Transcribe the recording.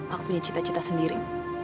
aku punya cita cita sendiri